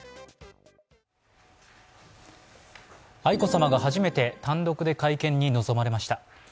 愛子さまが初めて単独で会見に臨まれました。